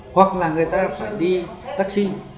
hoặc là người ta phải đi taxi